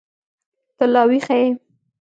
ته لا ويښه يې.